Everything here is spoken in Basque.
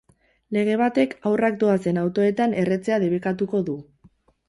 Lege batek haurrak doazen autoetan erretzea debekatuko du.